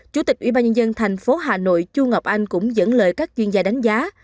chủ tịch ubnd thành phố hà nội chu ngọc anh cũng dẫn lời các chuyên gia đánh giá